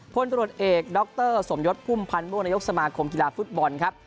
พลตรวจเอกดรสมยศพุ่มพันธ์ม่วงนายกสมาคมกีฬาฟุตบอลครับ